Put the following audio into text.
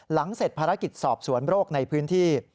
เสร็จภารกิจสอบสวนโรคในพื้นที่